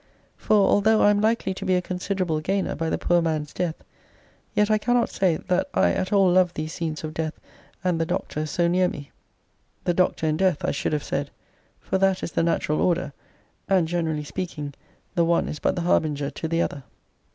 For although I am likely to be a considerable gainer by the poor man's death, yet I cannot say that I at all love these scenes of death and the doctor so near me. The doctor and death I should have said; for that is the natural order, and generally speaking, the one is but the harbinger to the other.